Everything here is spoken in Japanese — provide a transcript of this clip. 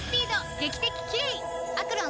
劇的キレイ！